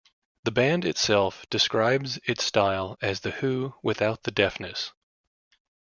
The band itself describes its style as The Who without the deafness.